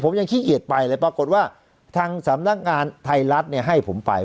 ผมยังขี้เอียดไปเลยปรากฏว่าทางสำนักงานไทยรัฐเนี่ยให้ผมไป